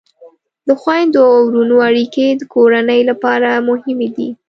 د خویندو او ورونو اړیکې د کورنۍ لپاره مهمې دي.